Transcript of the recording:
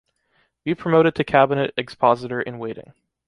Be promoted to cabinet expositor-in-waiting.